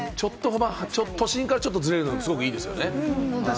都心からちょっとずれるのもいいですよね。